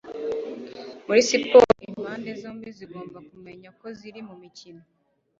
Muri siporo, impande zombi zigomba kumenya ko ziri mumikino